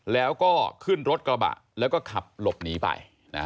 แล้วก็ขึ้นรถกระบะแล้วก็ขับหลบหนีไป